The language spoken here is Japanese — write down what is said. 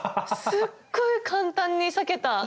すっごい簡単に裂けた。